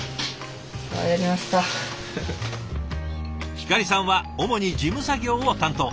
光さんは主に事務作業を担当。